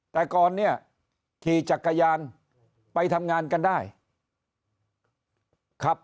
แต่ก่อนเนี่ยขี่จักรยานไปทำงานกันได้ขับ